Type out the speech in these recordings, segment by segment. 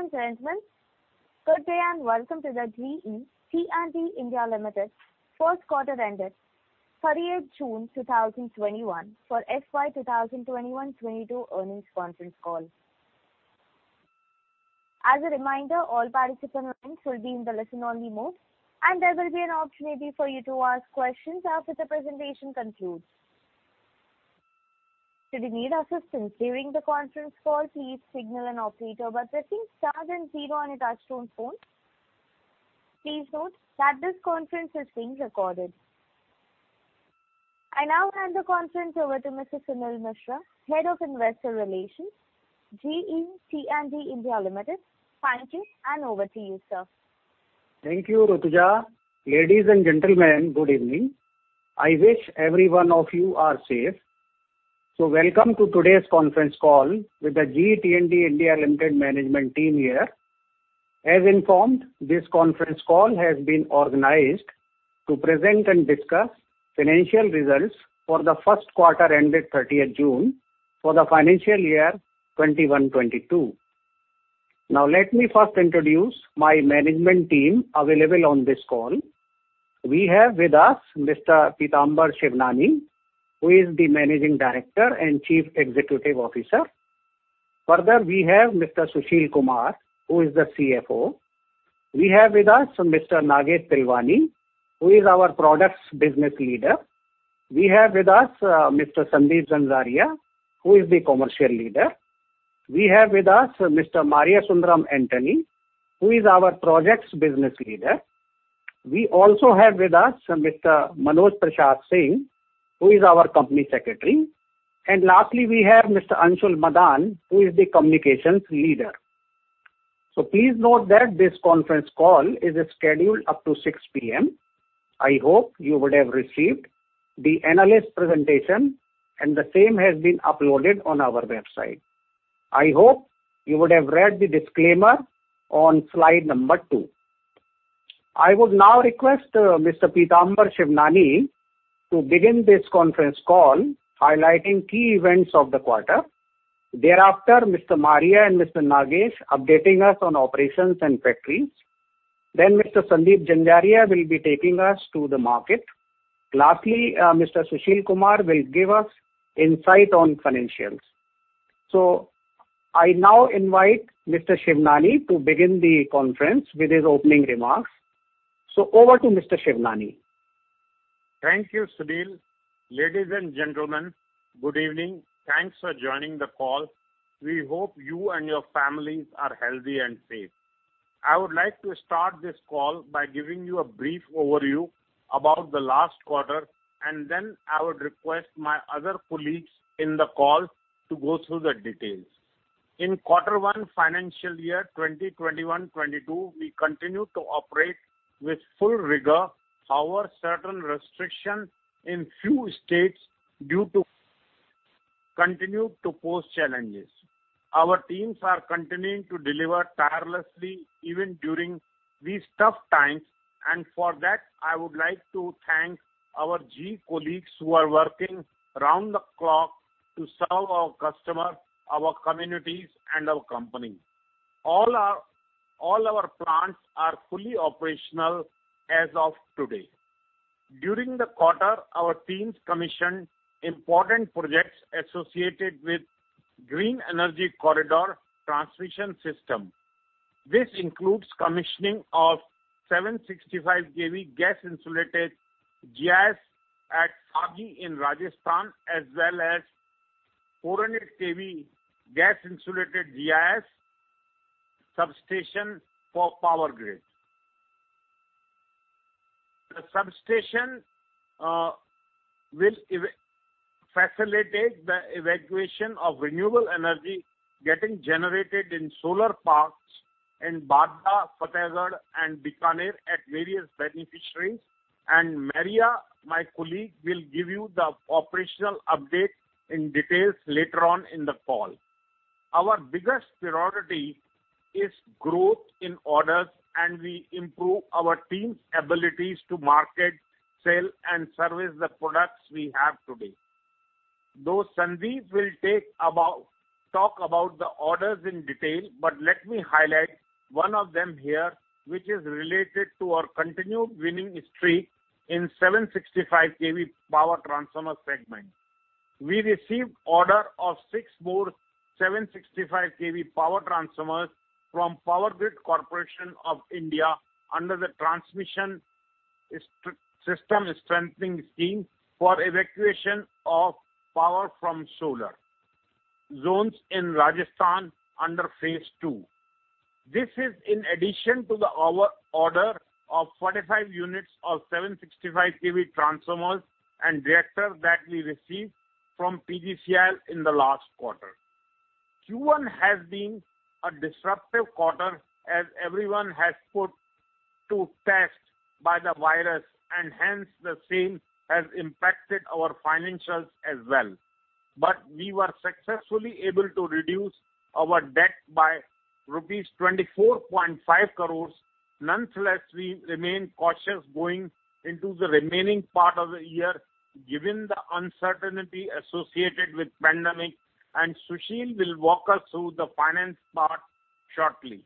Ladies and gentlemen, good day and welcome to the GE T&D India Limited first quarter ended 30th June 2021 for FY 2021-22 earnings conference call. As a reminder, all participant lines will be in the listen only mode, and there will be an opportunity for you to ask questions after the presentation concludes. Should you need assistance during the conference call, please signal an operator by pressing star and zero on your touchtone phone. Please note that this conference is being recorded. I now hand the conference over to Mr. Suneel Mishra, Head of Investor Relations, GE T&D India Limited. Thank you, and over to you, sir. Thank you, Rutuja. Ladies and gentlemen, good evening. I wish every one of you are safe. Welcome to today's conference call with the GE T&D India Limited management team here. As informed, this conference call has been organized to present and discuss financial results for the first quarter ended 30th June for the FY 2021-22. Let me first introduce my management team available on this call. We have with us Mr. Pitamber Shivnani, who is the Managing Director and Chief Executive Officer. We have Mr. Sushil Kumar, who is the CFO. We have with us Mr. Nagesh Tilwani, who is our products business leader. We have with us Mr. Sandeep Zanzaria, who is the commercial leader. We have with us Mr. Mariasundaram Anthony, who is our projects business leader. We also have with us Mr. Manoj Prasad Singh, who is our company secretary. Lastly, we have Mr. Anshul Madaan, who is the communications leader. Please note that this conference call is scheduled up to 6:00 P.M. I hope you would have received the analyst presentation, and the same has been uploaded on our website. I hope you would have read the disclaimer on slide number two. I would now request Mr. Pitamber Shivnani to begin this conference call highlighting key events of the quarter. Thereafter, Mr. Maria and Mr. Nagesh updating us on operations and factories. Mr. Sandeep Zanzaria will be taking us to the market. Lastly, Mr. Sushil Kumar will give us insight on financials. I now invite Mr. Shivnani to begin the conference with his opening remarks. Over to Mr. Shivnani. Thank you, Suneel. Ladies and gentlemen, good evening. Thanks for joining the call. We hope you and your families are healthy and safe. I would like to start this call by giving you a brief overview about the last quarter, then I would request my other colleagues in the call to go through the details. In quarter one FY 2021-22, we continued to operate with full rigor. However, certain restrictions in few states continued to pose challenges. Our teams are continuing to deliver tirelessly even during these tough times, for that, I would like to thank our GE colleagues who are working around the clock to serve our customers, our communities and our company. All our plants are fully operational as of today. During the quarter, our teams commissioned important projects associated with Green Energy Corridor transmission system. This includes commissioning of 765 kV gas-insulated GIS at Phagi in Rajasthan, as well as 400 kV gas-insulated GIS substation for Power Grid. The substation will facilitate the evacuation of renewable energy getting generated in solar parks in Bhadla, Fatehpur, and Bikaner at various beneficiaries, and Maria, my colleague, will give you the operational update in details later on in the call. Our biggest priority is growth in orders, and we improve our team's abilities to market, sell, and service the products we have today. Sandeep will talk about the orders in detail, let me highlight one of them here, which is related to our continued winning streak in 765 kV power transformer segment. We received order of six more 765 kV power transformers from Power Grid Corporation of India under the Transmission System Strengthening Scheme for Evacuation of Power from Solar Energy Zones in Rajasthan under phase II. This is in addition to our order of 45 units of 765 kV transformers and reactors that we received from PGCIL in the last quarter. Q1 has been a disruptive quarter as everyone has put to test by the virus, and hence the same has impacted our financials as well. We were successfully able to reduce our debt by rupees 24.5 crores. Nonetheless, we remain cautious going into the remaining part of the year, given the uncertainty associated with pandemic. Sushil will walk us through the finance part shortly.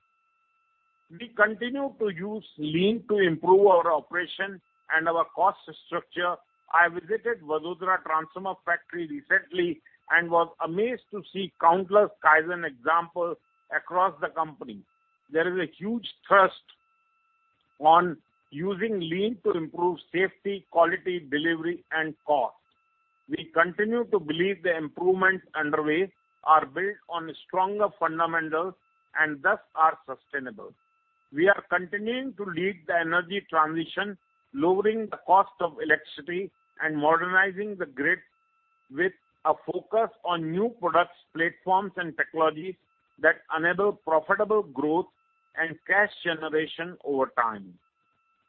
We continue to use Lean to improve our operation and our cost structure. I visited Vadodara Transformer Factory recently and was amazed to see countless kaizen examples across the company. There is a huge thrust on using Lean to improve safety, quality, delivery, and cost. We continue to believe the improvements underway are built on stronger fundamentals and thus are sustainable. We are continuing to lead the energy transition, lowering the cost of electricity and modernizing the grid with a focus on new products, platforms, and technologies that enable profitable growth and cash generation over time.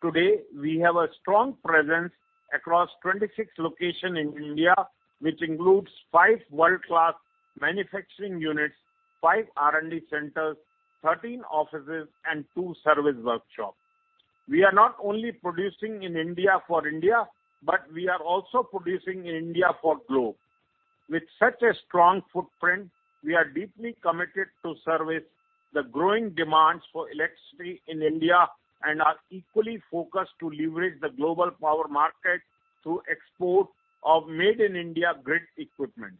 Today, we have a strong presence across 26 locations in India, which includes five world-class manufacturing units, five R&D centers, 13 offices, and two service workshops. We are not only producing in India for India, but we are also producing in India for globe. With such a strong footprint, we are deeply committed to service the growing demands for electricity in India and are equally focused to leverage the global power market through export of made in India grid equipment.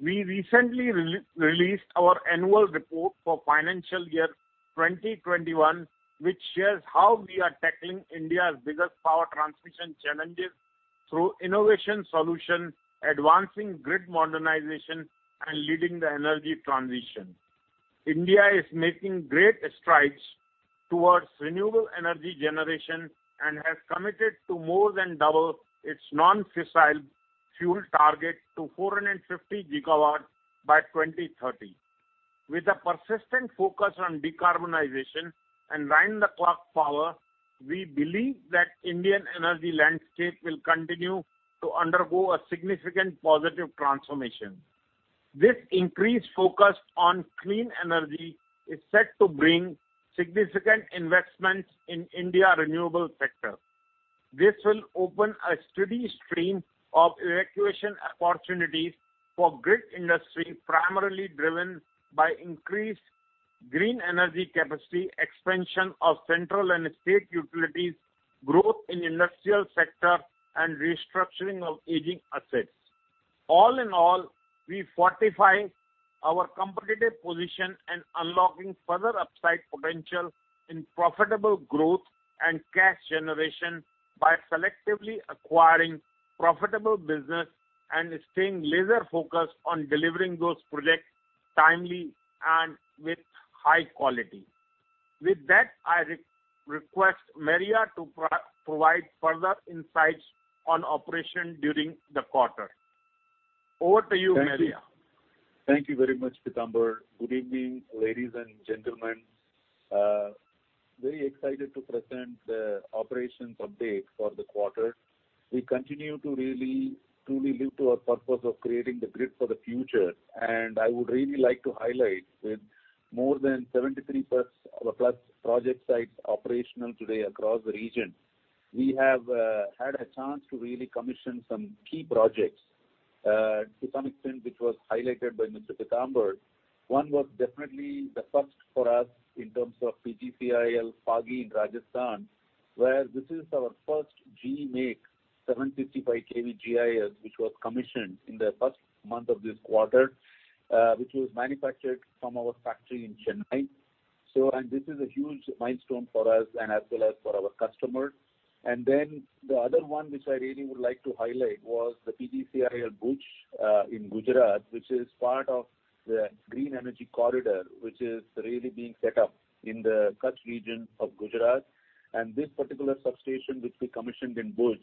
We recently released our annual report for financial year 2021, which shares how we are tackling India's biggest power transmission challenges through innovative solutions, advancing grid modernization, and leading the energy transition. India is making great strides towards renewable energy generation and has committed to more than double its non-fossil fuel target to 450 GW by 2030. With a persistent focus on decarbonization and round the clock power, we believe that Indian energy landscape will continue to undergo a significant positive transformation. This increased focus on clean energy is set to bring significant investments in India's renewable sector. This will open a steady stream of evacuation opportunities for grid industry, primarily driven by increased green energy capacity, expansion of central and state utilities, growth in industrial sector, and restructuring of aging assets. All in all, we fortify our competitive position and unlocking further upside potential in profitable growth and cash generation by selectively acquiring profitable business and staying laser focused on delivering those projects timely and with high quality. With that, I request Maria to provide further insights on operation during the quarter. Over to you, Maria. Thank you very much, Pitamber. Good evening, ladies and gentlemen. Very excited to present the operations update for the quarter. We continue to really truly live to our purpose of creating the grid for the future. I would really like to highlight with more than 73+ project sites operational today across the region, we have had a chance to really commission some key projects, to some extent, which was highlighted by Mr. Pitamber. One was definitely the first for us in terms of PGCIL, Phagi in Rajasthan, where this is our first GE make 765 kV GIS, which was commissioned in the first month of this quarter, which was manufactured from our factory in Chennai. This is a huge milestone for us and as well as for our customer. The other one, which I really would like to highlight was the PGCIL Bhuj in Gujarat, which is part of the green energy corridor, which is really being set up in the Kutch region of Gujarat. This particular substation which we commissioned in Bhuj,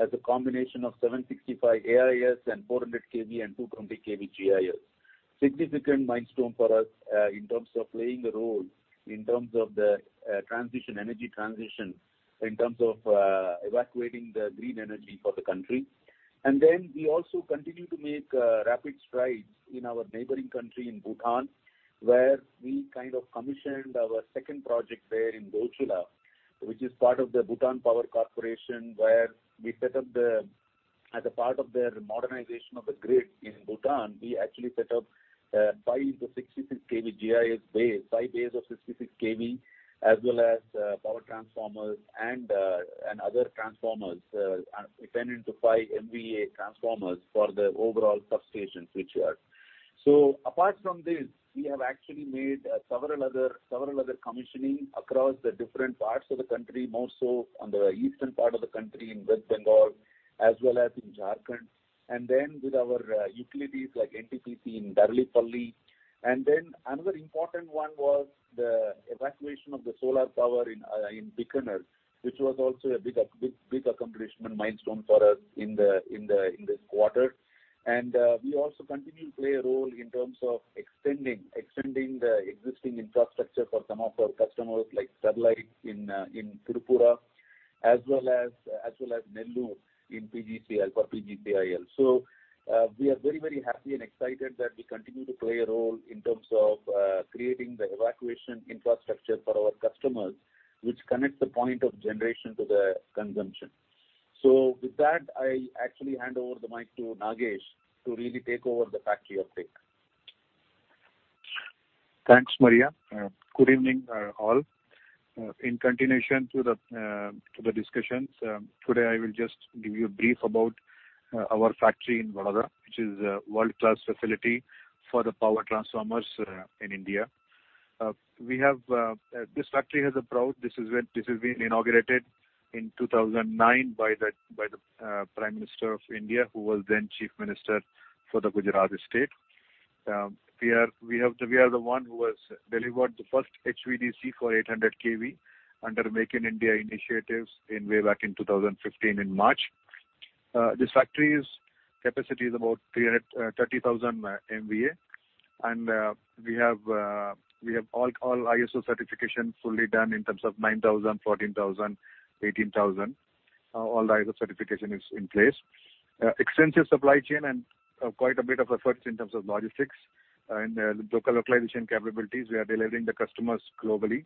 has a combination of 765 kV AIS and 400 kV and 220 kV GIS. Significant milestone for us in terms of playing a role, in terms of the energy transition, in terms of evacuating the green energy for the country. We also continue to make rapid strides in our neighboring country in Bhutan, where we kind of commissioned our second project there in Dochula, which is part of the Bhutan Power Corporation, where we set up as a part of their modernization of the grid in Bhutan. We actually set up five into 66 kV GIS bays, five bays of 66 kV, as well as power transformers and other transformers. We went into five MVA transformers for the overall substations which were. Apart from this, we have actually made several other commissioning across the different parts of the country, more so on the eastern part of the country in West Bengal as well as in Jharkhand, with our utilities like NTPC in Darlipali. Another important one was the evacuation of the solar power in Bikaner, which was also a big accomplishment milestone for us in this quarter. We also continue to play a role in terms of extending the existing infrastructure for some of our customers like Sablé in Tripura, as well as Nellore for PGCIL. We are very happy and excited that we continue to play a role in terms of creating the evacuation infrastructure for our customers, which connects the point of generation to the consumption. With that, I actually hand over the mic to Nagesh to really take over the factory update. Thanks, Maria. Good evening all. In continuation to the discussions, today I will just give you a brief about our factory in Vadodara, which is a world-class facility for the power transformers in India. This is being inaugurated in 2009 by the Prime Minister of India, who was then Chief Minister for the Gujarat State. We are the one who has delivered the first HVDC for 800 kV under Make in India initiatives way back in 2015 in March. This factory's capacity is about 330,000 MVA, and we have all ISO certification fully done in terms of 9,000, 14,000, 18,000. All the ISO certification is in place. Extensive supply chain and quite a bit of efforts in terms of logistics and local localization capabilities. We are delivering the customers globally.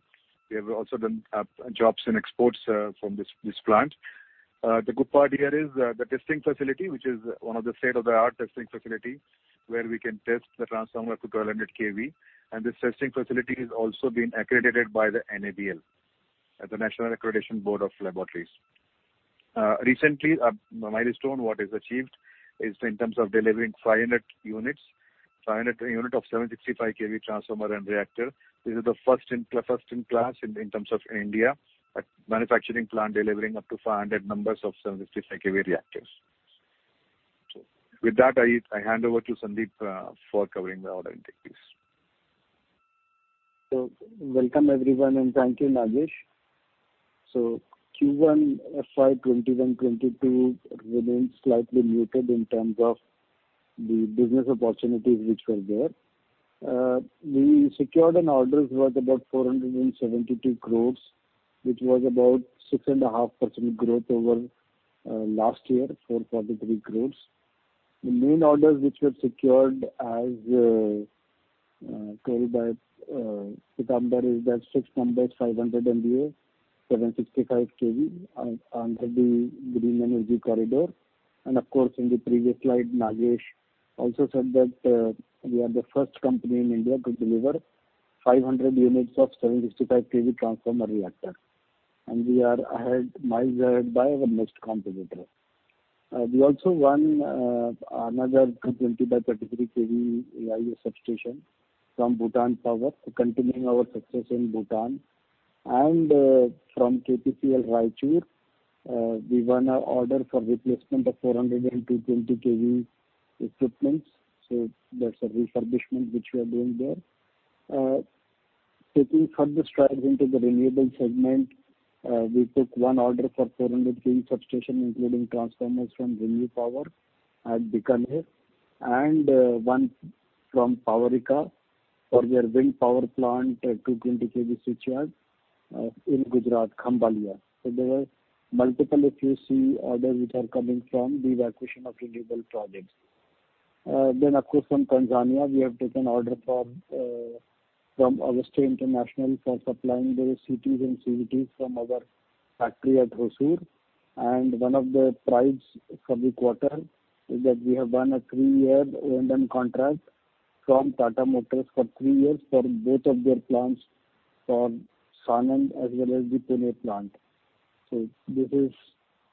We have also done jobs in exports from this plant. The good part here is, the testing facility which is one of the state-of-the-art testing facility, where we can test the transformer to 1,200 kV. This testing facility is also being accredited by the NABL, that's the National Accreditation Board of Laboratories. Recently, a milestone what is achieved is in terms of delivering 500 units of 765 kV transformer and reactor. This is the first in class in terms of India at manufacturing plant delivering up to 500 numbers of 765 kV reactors. With that, I hand over to Sandeep for covering the order intake, please. Welcome everyone, and thank you Nagesh. Q1 FY 2021-22 remains slightly muted in terms of the business opportunities which were there. We secured orders worth about 472 crore, which was about 6.5% growth over last year, 443 crore. The main orders which were secured as told by Pitamber is that six numbers 500 MVA, 765 kV under the Green Energy Corridor. Of course, in the previous slide, Nagesh also said that we are the first company in India to deliver 500 units of 765 kV transformer reactor. We are miles ahead by our next competitor. We also won another 220 by 33 kV AIS substation from Bhutan Power Corporation, continuing our success in Bhutan. From KPCL Raichur, we won a order for replacement of 400 and 220 kV equipments. That's a refurbishment which we are doing there. Taking further strides into the renewable segment, we took one order for 400 kV substation, including transformers from ReNew Power at Bikaner, and one from Powerica for their wind power plant at 220 kV switchyard in Gujarat, Khambhalia. There were multiple, if you see, orders which are coming from the evacuation of renewable projects. Of course from Tanzania, we have taken order from Augusta International for supplying the CTs and CVTs from our factory at Hosur. One of the prides for the quarter is that we have won a three-year O&M contract from Tata Motors for three years for both of their plants, for Sanand as well as the Pune plant.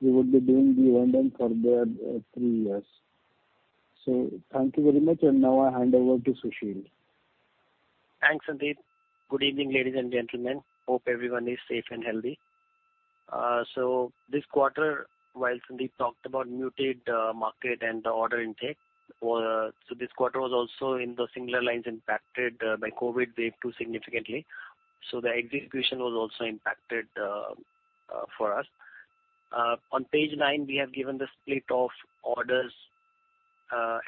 We would be doing the O&M for their three years. Thank you very much, and now I hand over to Sushil. Thanks, Sandeep. Good evening, ladies and gentlemen. Hope everyone is safe and healthy. This quarter, while Sandeep talked about muted market and the order intake, this quarter was also in the similar lines impacted by COVID Wave 2 significantly. The execution was also impacted for us. On page nine, we have given the split of orders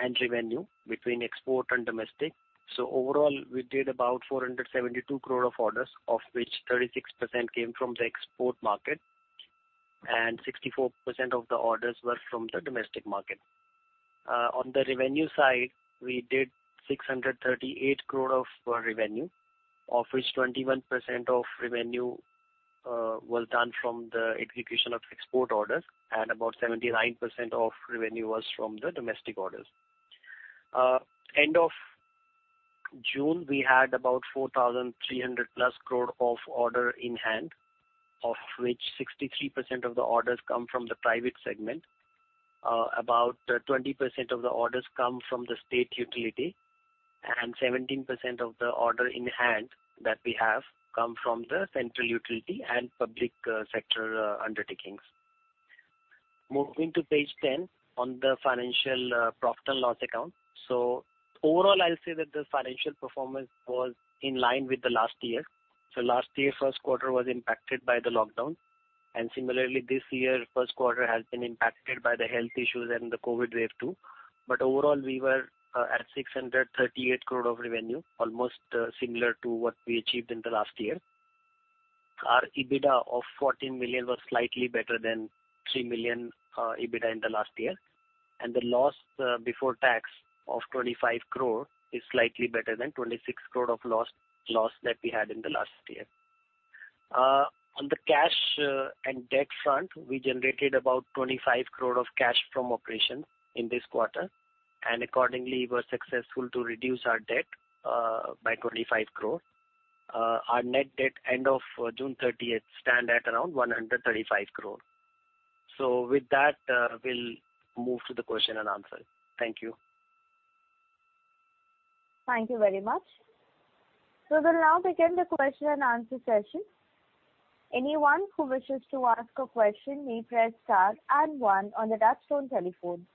and revenue between export and domestic. Overall, we did about 472 crore of orders, of which 36% came from the export market, and 64% of the orders were from the domestic market. On the revenue side, we did 638 crore of revenue, of which 21% of revenue was done from the execution of export orders, and about 79% of revenue was from the domestic orders. End of June, we had about 4,300+ crore of order in hand, of which 63% of the orders come from the private segment. About 20% of the orders come from the state utility, and 17% of the order in hand that we have come from the central utility and public sector undertakings. Moving to page 10, on the financial profit and loss account. Overall, I'll say that the financial performance was in line with the last year. Last year, first quarter was impacted by the lockdown, similarly, this year, first quarter has been impacted by the health issues and the COVID Wave 2. Overall, we were at 638 crore of revenue, almost similar to what we achieved in the last year. Our EBITDA of 14 million was slightly better than 3 million EBITDA in the last year. The loss before tax of 25 crore is slightly better than 26 crore of loss that we had in the last year. On the cash and debt front, we generated about 25 crore of cash from operations in this quarter, accordingly were successful to reduce our debt by 25 crore. Our net debt end of June 30th stand at around 135 crore. With that, we'll move to the question and answer. Thank you. Thank you very much. We'll now begin the question and answer session. Anyone who wishes to ask a question may press star and one on the touchtone telephone.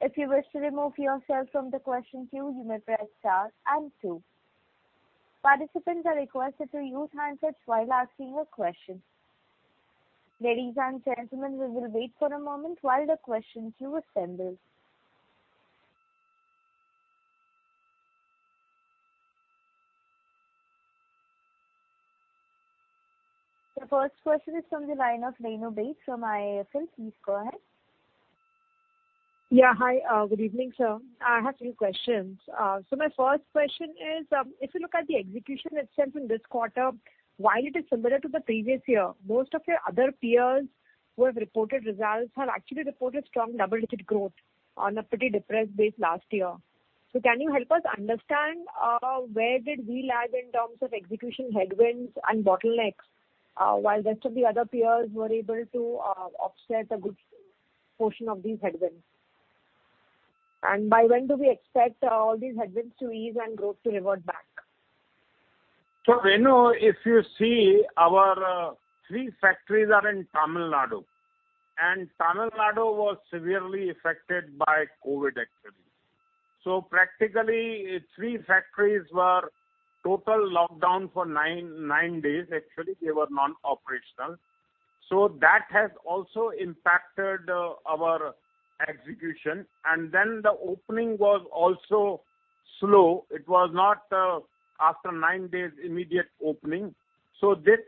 If you wish to remove yourself from the question queue, you may press star and two. Participants are requested to use handsets while asking a question. Ladies and gentlemen, we will wait for a moment while the questions queue assembles. The first question is from the line of Renu Baid from IIFL. Please go ahead. Yeah. Hi. Good evening, sir. I have few questions. My first question is, if you look at the execution itself in this quarter, while it is similar to the previous year, most of your other peers who have reported results have actually reported strong double-digit growth on a pretty depressed base last year. Can you help us understand where did we lag in terms of execution headwinds and bottlenecks, while rest of the other peers were able to offset a good portion of these headwinds? By when do we expect all these headwinds to ease and growth to revert back? Renu, if you see our three factories are in Tamil Nadu and Tamil Nadu was severely affected by COVID, actually. Practically, three factories were total lockdown for nine days. Actually, they were non-operational. That has also impacted our execution. The opening was also slow. It was not after nine days immediate opening. This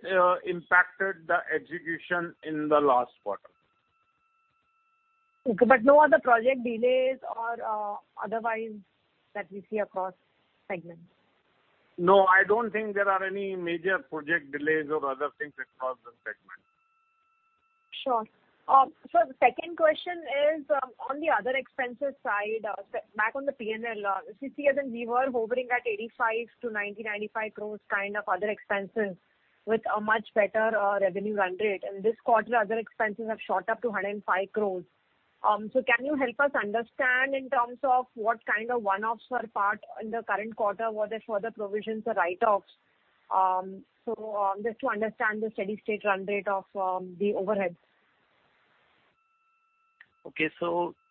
impacted the execution in the last quarter. Okay, no other project delays or otherwise that we see across segments. No, I don't think there are any major project delays or other things across the segment. Sure. Sir, the second question is on the other expenses side, back on the P&L. We were hovering at 85 crore to 90 crore-95 crore kind of other expenses with a much better revenue run rate. This quarter, other expenses have shot up to 105 crore. Can you help us understand in terms of what kind of one-offs were part in the current quarter? Were there further provisions or write-offs? Just to understand the steady-state run rate of the overheads. Okay.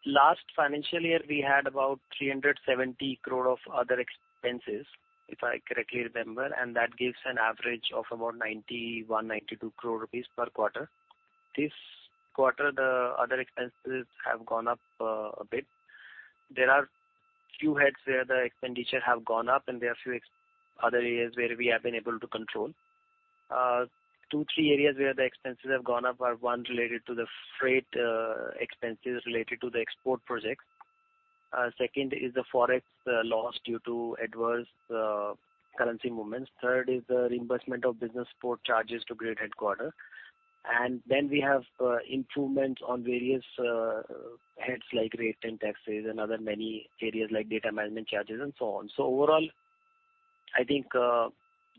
Last financial year, we had about 370 crore of other expenses, if I correctly remember, and that gives an average of about 91 crore-92 crore rupees per quarter. This quarter, the other expenses have gone up a bit. There are few heads where the expenditure have gone up, there are few other areas where we have been able to control. Two, three areas where the expenses have gone up are, one related to the freight expenses related to the export projects. Second is the Forex loss due to adverse currency movements. Third is the reimbursement of business support charges to grid headquarter. Then we have improvements on various heads like rates and taxes and other many areas like data management charges and so on. Overall, I think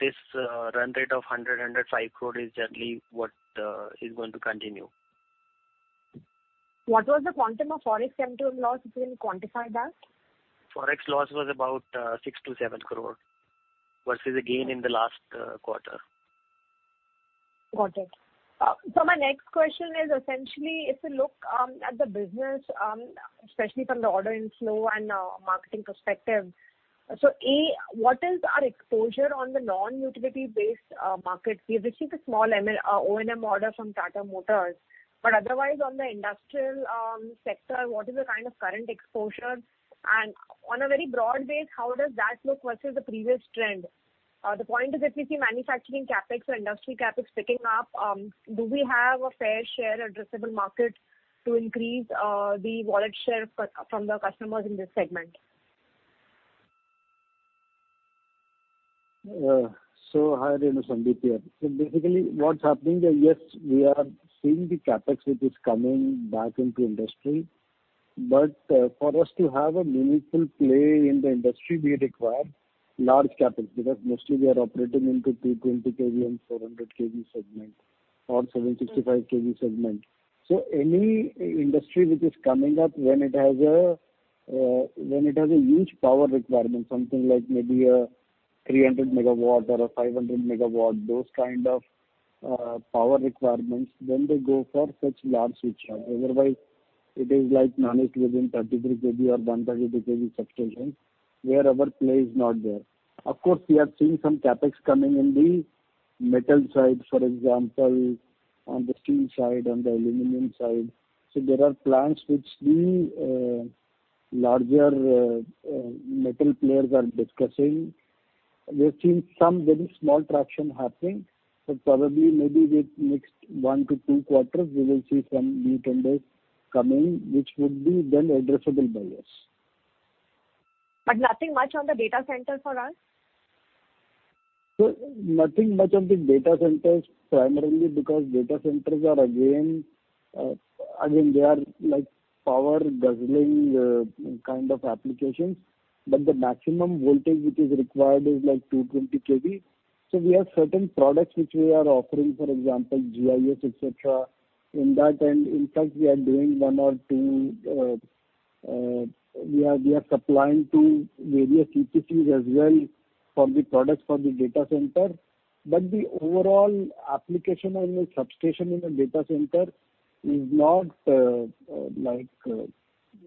this run rate of 100 crore-105 crore is generally what is going to continue. What was the quantum of Forex central loss? Can you quantify that? Forex loss was about 6 crore-7 crore versus a gain in the last quarter. Got it. My next question is essentially if you look at the business, especially from the order inflow and marketing perspective. A, what is our exposure on the non-utility based market? We have received a small O&M order from Tata Motors. Otherwise, on the industrial sector, what is the kind of current exposure? On a very broad base, how does that look versus the previous trend? The point is if we see manufacturing CapEx or industry CapEx picking up, do we have a fair share addressable market to increase the wallet share from the customers in this segment? Hi, Renu. Sandeep here. Basically, what's happening there, yes, we are seeing the CapEx, which is coming back into industry. But for us to have a meaningful play in the industry, we require large CapEx, because mostly we are operating into 220 kV and 400 kV segment or 765 kV segment. Any industry which is coming up when it has a huge power requirement, something like maybe a 300 MW or a 500 MW, those kind of power requirements, then they go for such large switchgears. Otherwise, it is like managed within 33 kV or 132 kV substation where our play is not there. Of course, we have seen some CapEx coming in the metal side, for example, on the steel side, on the aluminum side. There are plants which the larger metal players are discussing. We have seen some very small traction happening but probably maybe with next 1-2 quarters, we will see some new tenders coming, which would be then addressable by us. Nothing much on the data center for us? Nothing much on the data centers, primarily because data centers are again, they are power guzzling kind of applications but the maximum voltage which is required is like 220 kV. We have certain products which we are offering, for example, GIS, et cetera, in that. In fact, we are doing one or two. We are supplying to various EPCs as well for the products for the data center. The overall application as a substation in a data center is not a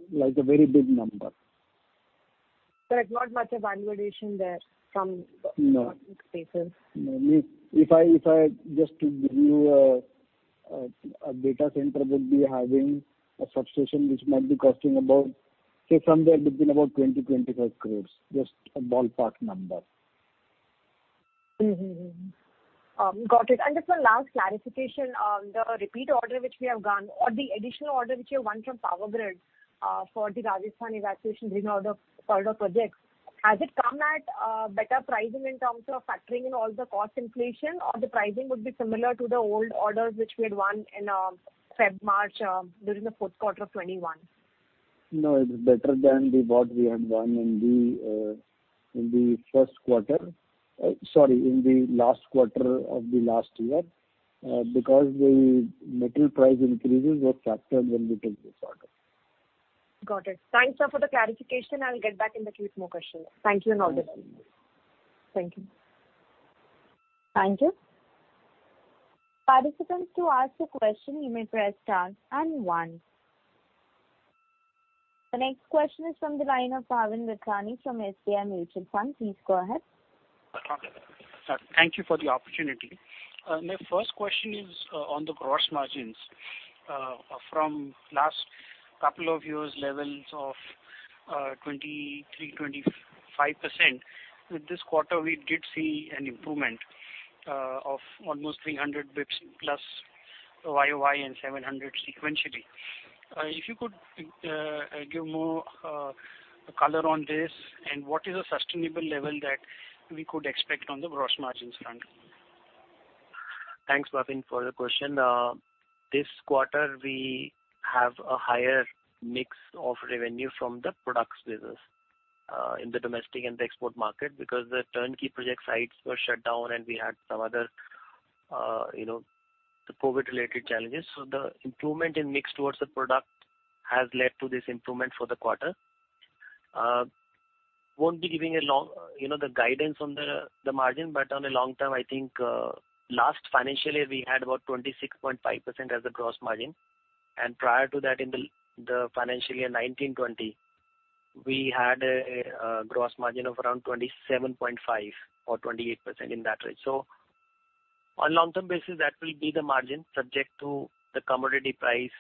very big number. It's not much evaluation there from. No perspective. No. If I just to give you a data center would be having a substation which might be costing about, say, somewhere between about 20 crore-25 crore, just a ballpark number. Mm-hmm. Got it. Just one last clarification on the repeat order which we have won, or the additional order which you have won from Power Grid for the Rajasthan evacuation renovator order projects. Has it come at a better pricing in terms of factoring in all the cost inflation or the pricing would be similar to the old orders which we had won in February, March, during the fourth quarter of 2021? It's better than what we had won in the first quarter. Sorry, in the last quarter of the last year because the material price increases were factored when we took this order. Got it. Thanks for the clarification. I'll get back in the queue with more questions. Thank you and all the best. Thank you. Thank you. Participants to ask the question, you may press star and one. The next question is from the line of Bhavin Vithlani from SBI Mutual Fund. Please go ahead. Thank you for the opportunity. My first question is on the gross margins. From last couple of years levels of 23%, 25%, with this quarter, we did see an improvement of almost 300 basis points plus year-over-year and 700 sequentially. If you could give more color on this, and what is the sustainable level that we could expect on the gross margins front? Thanks, Bhavin, for the question. This quarter, we have a higher mix of revenue from the products business in the domestic and the export market because the turnkey project sites were shut down and we had some other COVID related challenges. The improvement in mix towards the product has led to this improvement for the quarter. Won't be giving the guidance on the margin but on a long term, I think last financial year, we had about 26.5% as the gross margin, and prior to that in the financial year 2019-2020, we had a gross margin of around 27.5% or 28% in that range. On long term basis, that will be the margin subject to the commodity price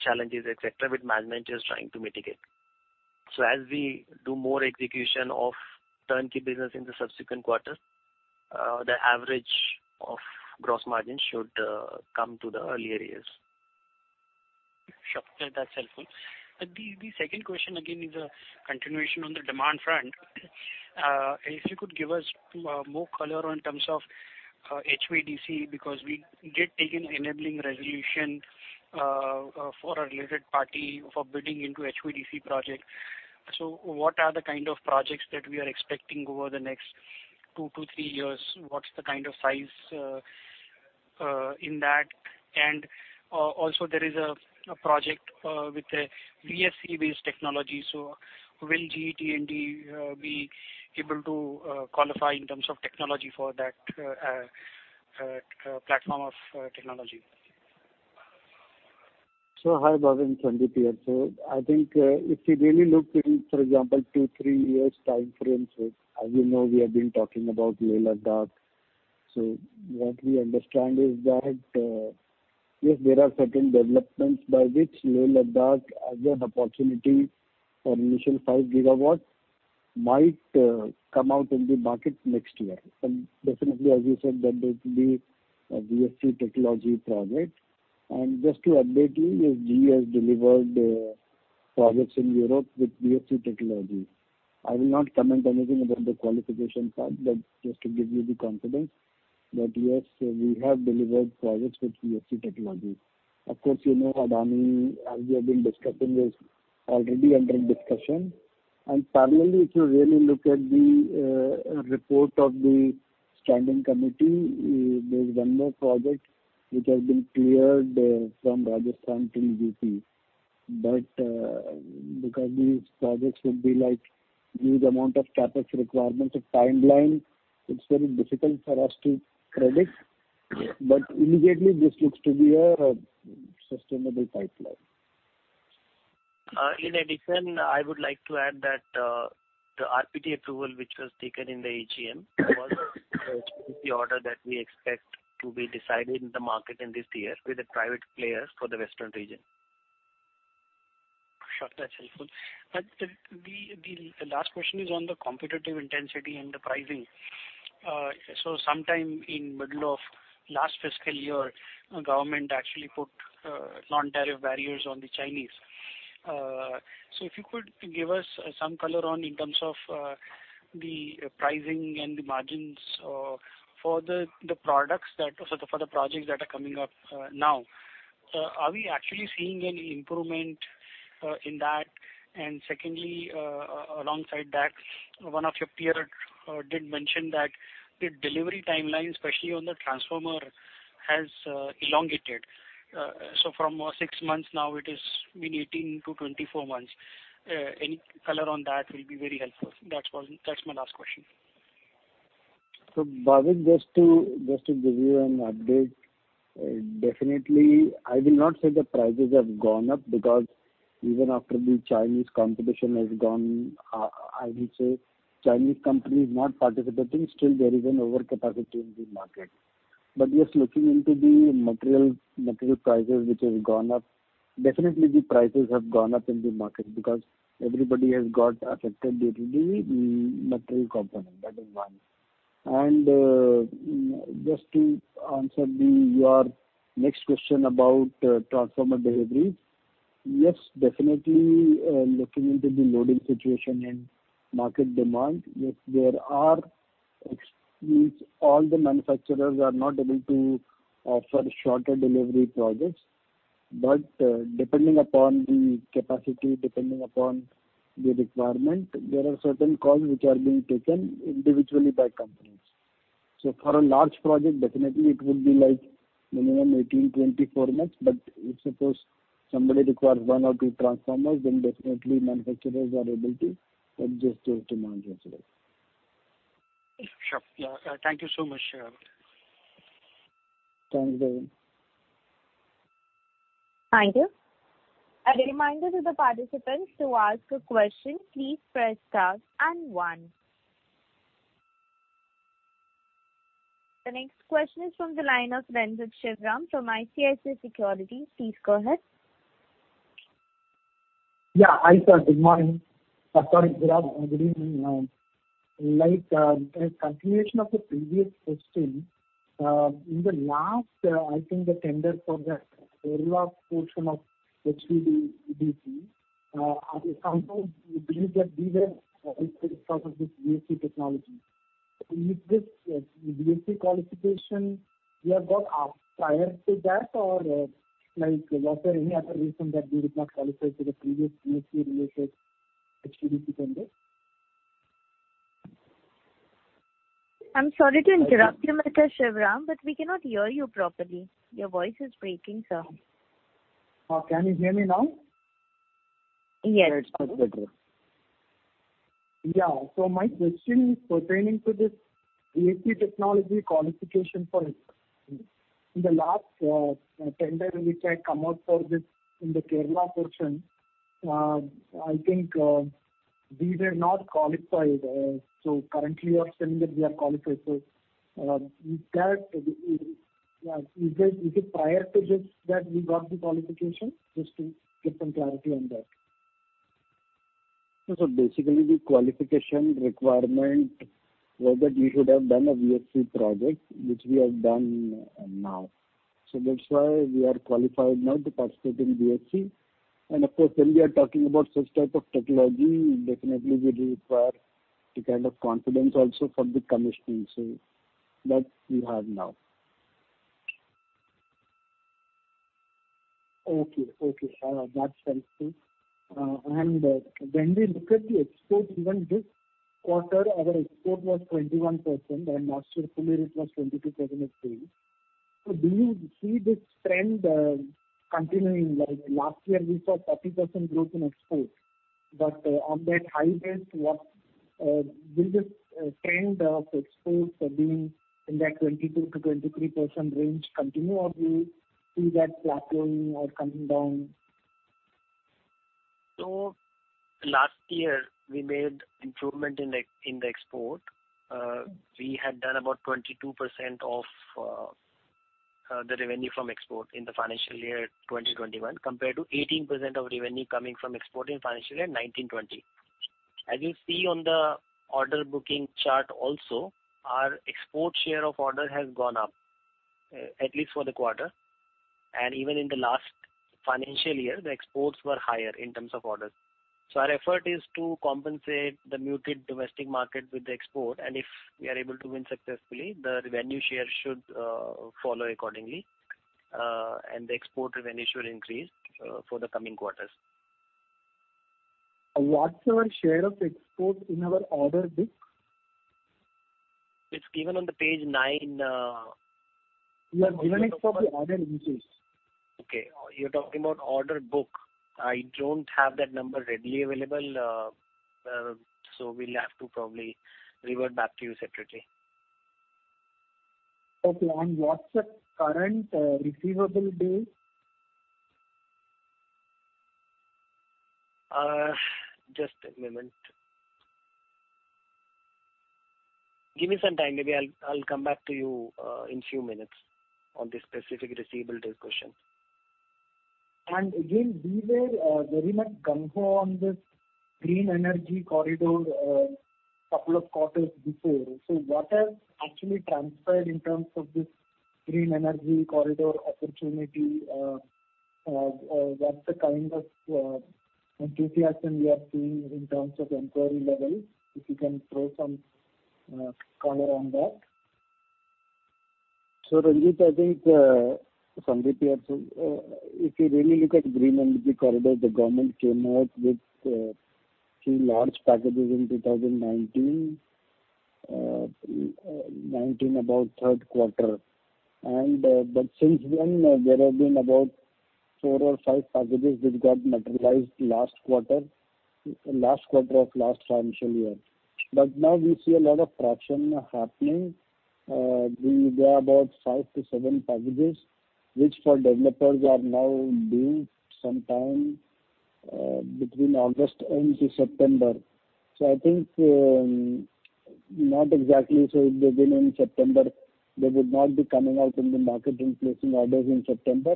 challenges, et cetera, which management is trying to mitigate. As we do more execution of turnkey business in the subsequent quarters, the average of gross margin should come to the earlier years. Sure. That's helpful. The second question again is a continuation on the demand front. If you could give us more color in terms of HVDC because we get taken enabling resolution for a related party for bidding into HVDC project. What are the kind of projects that we are expecting over the next two to three years? What's the kind of size in that? Also there is a project with a VSC based technology. Will GE T&D be able to qualify in terms of technology for that platform of technology? Hi, Bhavin. Sandeep here. I think if you really look in, for example, two, three years time frame. As you know, we have been talking about Leh, Ladakh. What we understand is that, yes, there are certain developments by which Leh, Ladakh as an opportunity for initial 5 GW might come out in the market next year. Definitely as you said, that will be a VSC technology project. Just to update you, GE has delivered projects in Europe with VSC technology. I will not comment anything about the qualification part but just to give you the confidence that yes, we have delivered projects with VSC technology. Of course, you know Adani, as we have been discussing, is already under discussion. Parallelly, if you really look at the report of the standing committee, there's one more project which has been cleared from Rajasthan toU.P. Because these projects would be like huge amount of CapEx requirements of timeline, it's very difficult for us to predict. Immediately, this looks to be a sustainable pipeline. In addition, I would like to add that the RPT approval which was taken in the AGM was the order that we expect to be decided in the market in this year with the private players for the western region. Sure, that's helpful. The last question is on the competitive intensity and the pricing. Sometime in middle of last fiscal year, government actually put non-tariff barriers on the Chinese. If you could give us some color on in terms of the pricing and the margins for the projects that are coming up now. Are we actually seeing any improvement in that? Secondly, alongside that, one of your peer did mention that the delivery timeline, especially on the transformer, has elongated. From six months now it has been 18-24 months. Any color on that will be very helpful. That's my last question. Bhavin, just to give you an update. Definitely, I will not say the prices have gone up because even after the Chinese competition has gone, I will say Chinese company is not participating. Still there is an overcapacity in the market. Yes, looking into the material prices which has gone up, definitely the prices have gone up in the market because everybody has got affected due to the material component. That is one. Just to answer your next question about transformer delivery. Yes, definitely, looking into the loading situation and market demand, yes, there are all the manufacturers are not able to offer shorter delivery projects. Depending upon the capacity, depending upon the requirement, there are certain calls which are being taken individually by companies. For a large project, definitely it would be minimum 18, 24 months. If suppose somebody requires one or two transformers, then definitely manufacturers are able to adjust their demand themselves. Sure. Yeah. Thank you so much, Sir. Thanks, Bhavin. Thank you. A reminder to the participants, to ask a question, please press star and one. The next question is from the line of Renjith Sivaram from ICICI Securities. Please go ahead. Yeah, hi, sir. Good morning. Sorry if you're on the evening now. A continuation of the previous question. In the last, I think the tender for the Kerala portion of HVDC, somehow we believe that we were excluded because of this VSC technology. With this VSC qualification, we have got prior to that or was there any other reason that we did not qualify for the previous VSC related activity tender? I'm sorry to interrupt you, Mr. Sivaram, but we cannot hear you properly. Your voice is breaking, sir. Can you hear me now? Yes. Yes, much better. My question is pertaining to this VSC technology qualification part. In the last tender which had come out for this in the Kerala portion, I think we were not qualified. Currently you are saying that we are qualified. Is it prior to this that we got the qualification? Just to get some clarity on that. Basically, the qualification requirement was that you should have done a VSC project, which we have done now. That's why we are qualified now to participate in VSC. Of course, when we are talking about such type of technology, definitely we require a kind of confidence also for the commissioning. That we have now. Okay. That's helpful. When we look at the export, even this quarter, our export was 21% and last year fully it was 22% or 23%. Do you see this trend continuing? Like last year we saw 30% growth in export, but on that high base, will this trend of exports being in that 22%-23% range continue, or do you see that plateauing or coming down? Last year, we made improvement in the export. We had done about 22% of the revenue from export in the financial year 2021, compared to 18% of revenue coming from export in financial year 2019-20. As you see on the order booking chart also, our export share of order has gone up, at least for the quarter. Even in the last financial year, the exports were higher in terms of orders. Our effort is to compensate the muted domestic market with the export, and if we are able to win successfully, the revenue share should follow accordingly, and the export revenue should increase for the coming quarters. What's our share of export in our order book? It's given on the page nine. You have given it for the order entries. Okay, you're talking about order book. I don't have that number readily available, so we'll have to probably revert back to you separately. Okay. What's the current receivable days? Just a moment. Give me some time. Maybe I'll come back to you in few minutes on this specific receivables question. Again, we were very much gung-ho on this green energy corridor a couple of quarters before. What has actually transpired in terms of this green energy corridor opportunity? What's the kind of enthusiasm we are seeing in terms of inquiry levels? If you can throw some color on that. Renjith, I think, Sandeep here. If you really look at Green Energy Corridor, the government came out with three large packages in 2019, about third quarter. Since then, there have been about four or five packages which got materialized last quarter of last financial year. Now we see a lot of traction happening. There are about five-seven packages, which for developers are now due sometime between August into September. I think, not exactly say beginning September, they would not be coming out in the market and placing orders in September.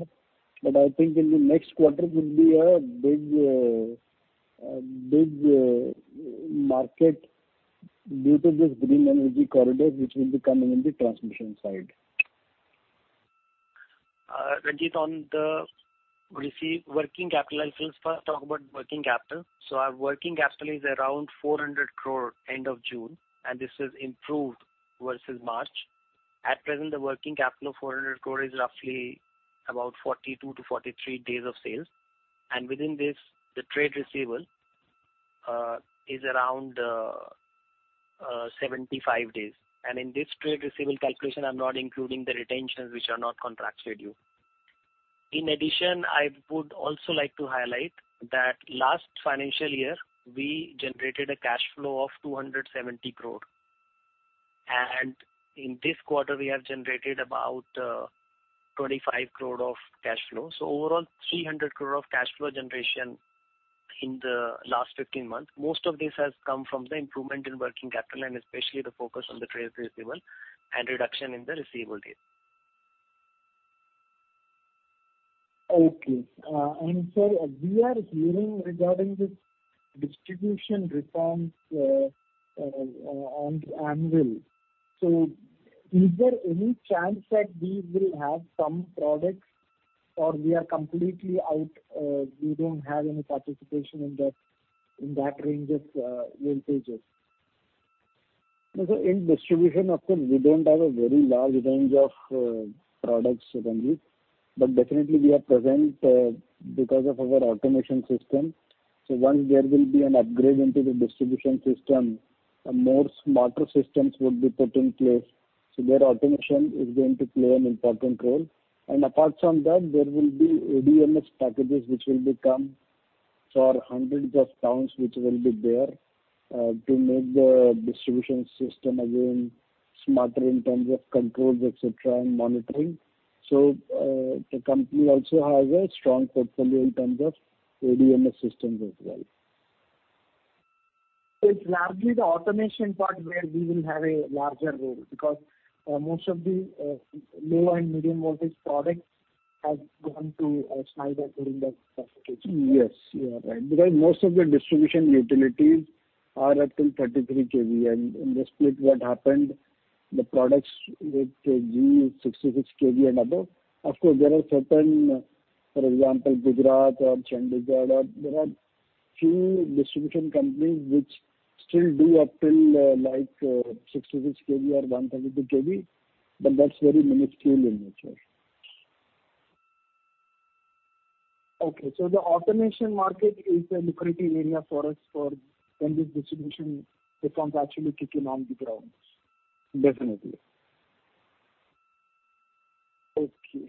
I think in the next quarter could be a big market due to this green energy corridor, which will be coming in the transmission side. Renjith, on the working capital, I'll first talk about working capital. Our working capital is around 400 crore end of June, and this has improved versus March. At present, the working capital of 400 crore is roughly about 42-43 days of sales, and within this, the trade receivable is around 75 days. In this trade receivable calculation, I'm not including the retentions which are not contract schedule. In addition, I would also like to highlight that last financial year, we generated a cash flow of 270 crore. In this quarter, we have generated about 25 crore of cash flow. Overall, 300 crore of cash flow generation in the last 15 months. Most of this has come from the improvement in working capital and especially the focus on the trade receivable and reduction in the receivable days. Okay. Sir, we are hearing regarding this distribution reforms on the anvil. Is there any chance that we will have some products or we are completely out, we don't have any participation in that range of voltages? In distribution, of course, we don't have a very large range of products, Renjith. Definitely we are present because of our automation system. Once there will be an upgrade into the distribution system, more smarter systems would be put in place. There automation is going to play an important role. Apart from that, there will be ADMS packages which will come for hundreds of towns which will be there, to make the distribution system again smarter in terms of controls, et cetera, and monitoring. The company also has a strong portfolio in terms of ADMS systems as well. It's largely the automation part where we will have a larger role because most of the low and medium voltage products have gone to Schneider during that specification. Yes, you are right. Most of the distribution utilities are up till 33 kV. In the split what happened, the products with GE, 66 kV and above. Of course, there are certain, for example, Gujarat or Chandigarh, there are few distribution companies which still do up till like 66 kV or 130 kV, but that's very minuscule in nature. Okay, the automation market is a lucrative area for us for when this distribution reforms actually kick in on the ground. Definitely. Okay.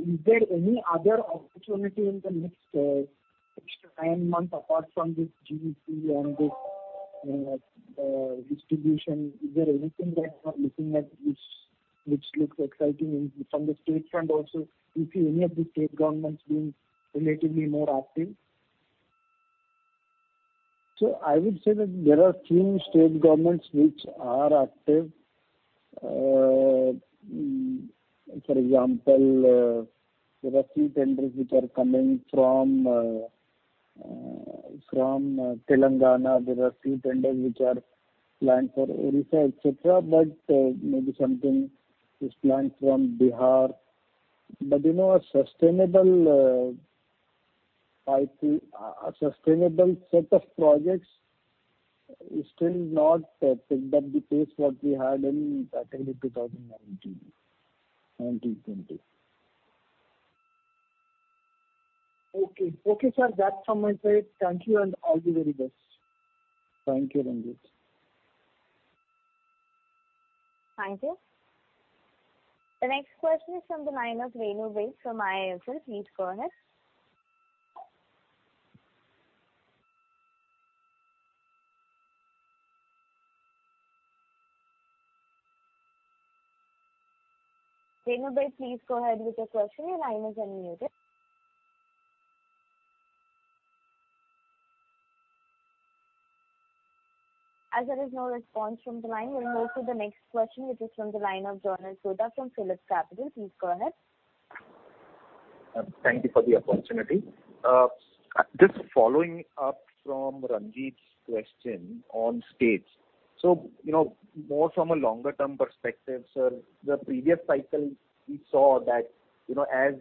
Is there any other opportunity in the next 10 months apart from this GEC and this distribution? Is there anything that you are looking at which looks exciting from the state front also? Do you see any of the state governments being relatively more active? I would say that there are few state governments which are active. For example, there are few tenders which are coming from Telangana, there are few tenders which are planned for Odisha, et cetera. Maybe something is planned from Bihar. A sustainable set of projects is still not picked up the pace what we had in, I think, 2019, 2017, 2020. Okay. Okay sir, that's from my side. Thank you and all the very best. Thank you, Renjith. Thank you. The next question is from the line of Renu Baid from IIFL. Please go ahead. Renu Baid, please go ahead with your question. Your line is unmuted. As there is no response from the line, we'll move to the next question, which is from the line of Jonas Bhutta from PhillipCapital. Please go ahead. Thank you for the opportunity. Following up from Renjith's question on states. More from a longer term perspective, sir, the previous cycle we saw that as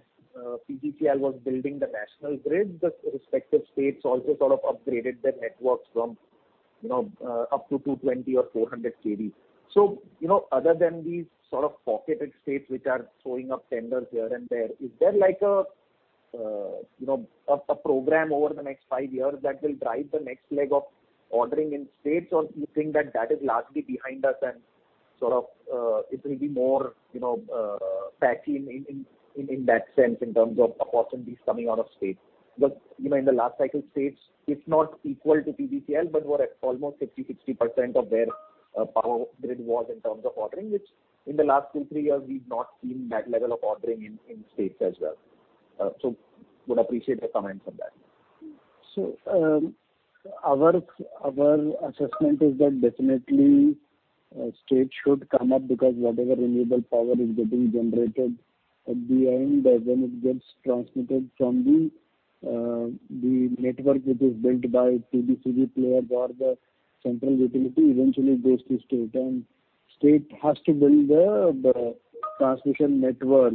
PGCIL was building the national grid, the respective states also sort of upgraded their networks from up to 220 kV or 400 kV. Other than these sort of pocketed states which are showing up tenders here and there, is there a program over the next five years that will drive the next leg of ordering in states? Do you think that is largely behind us, and it will be more patchy in that sense, in terms of opportunities coming out of states? In the last cycle, states, if not equal to PGCIL but were at almost 50%-60% of their power grid was in terms of ordering which in the last two, three years, we've not seen that level of ordering in states as well. Would appreciate your comments on that. Our assessment is that definitely dtates should come up because whatever renewable power is getting generated at the end, when it gets transmitted from the network, which is built by PGCIL or the central utility, eventually goes to state, and state has to build the transmission network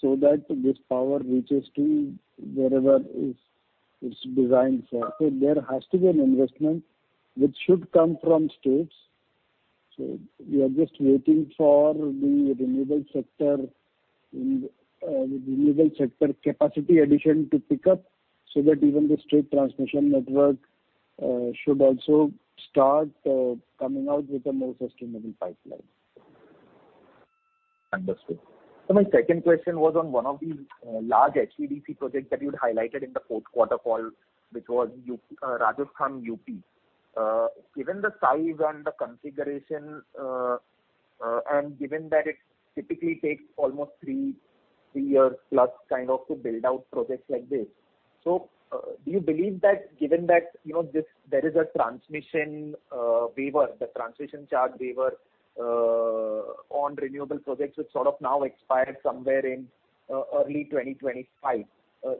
so that this power reaches to wherever it's designed for. There has to be an investment which should come from states. We are just waiting for the renewable sector capacity addition to pick up so that even the state transmission network should also start coming out with a more sustainable pipeline. My second question was on one of the large HVDC projects that you'd highlighted in the fourth quarter call which was Rajasthan, U.P. Given the size and the configuration, and given that it typically takes almost three years plus kind of to build out projects like this. Do you believe that given that there is a transmission waiver, the transmission charge waiver on renewable projects, which sort of now expired somewhere in early 2025.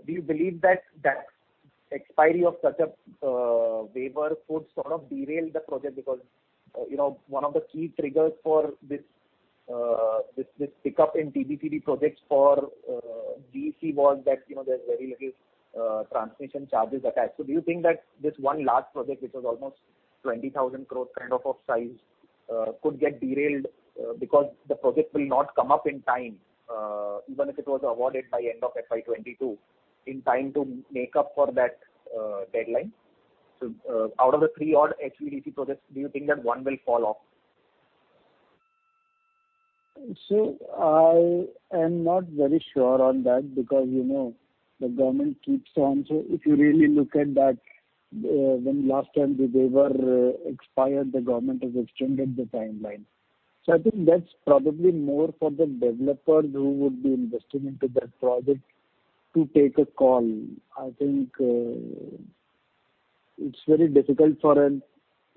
Do you believe that that expiry of such a waiver could sort of derail the project? Because one of the key triggers for this pickup in TBCB projects for GEC was that there's very little transmission charges attached. Do you think that this one large project, which was almost 20,000 crore kind of size could get derailed because the project will not come up in time, even if it was awarded by end of FY 2022 in time to make up for that deadline. Out of the three odd HVDC projects, do you think that one will fall off? I am not very sure on that because the government keeps on. If you really look at that, when last time the waiver expired, the government has extended the timeline. I think that's probably more for the developers who would be investing into that project to take a call. I think it's very difficult for an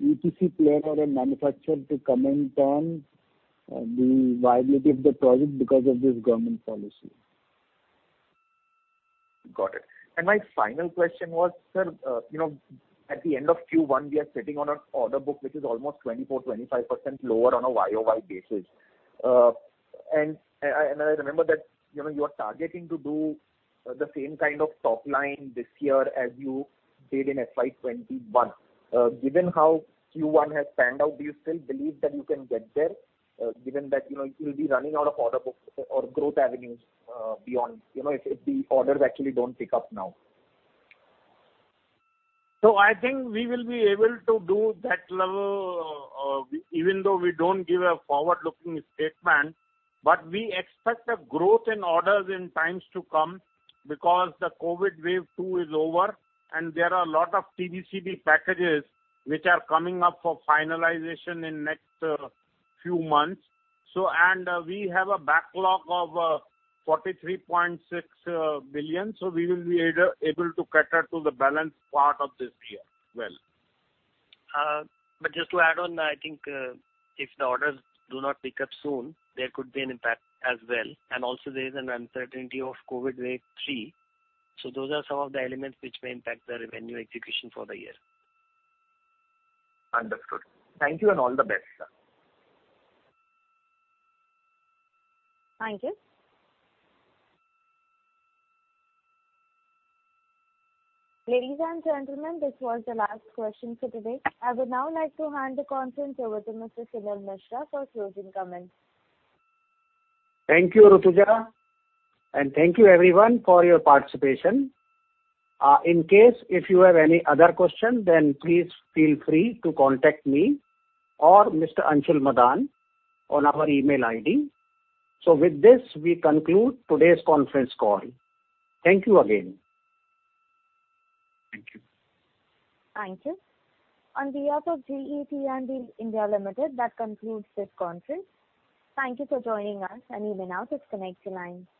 EPC player or a manufacturer to comment on the viability of the project because of this government policy. Got it. My final question was, sir, at the end of Q1 we are sitting on an order book which is almost 24%, 25% lower on a YoY basis. I remember that you are targeting to do the same kind of top line this year as you did in FY 2021. Given how Q1 has panned out, do you still believe that you can get there given that you will be running out of order books or growth avenues beyond if the orders actually don't pick up now? I think we will be able to do that level, even though we don't give a forward-looking statement. We expect a growth in orders in times to come because the COVID wave two is over and there are a lot of TBCB packages which are coming up for finalization in next few months. We have a backlog of 43.6 billion. We will be able to cater to the balance part of this year well. Just to add on, I think if the orders do not pick up soon, there could be an impact as well. Also, there is an uncertainty of COVID wave 3. Those are some of the elements which may impact the revenue execution for the year. Understood. Thank you and all the best, sir. Thank you. Ladies and gentlemen, this was the last question for today. I would now like to hand the conference over to Mr. Suneel Mishra for closing comments. Thank you, Rutuja. Thank you everyone for your participation. In case if you have any other questions, please feel free to contact me or Mr. Anshul Madaan on our email ID. With this, we conclude today's conference call. Thank you again. Thank you. Thank you. On behalf of GE T&D India Limited, that concludes this conference. Thank you for joining us, and you may now disconnect your lines.